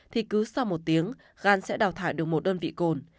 thì cứ sau một tiếng gan sẽ đào thải được một đơn vị cồn